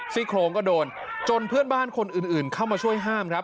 ซี่โครงก็โดนจนเพื่อนบ้านคนอื่นเข้ามาช่วยห้ามครับ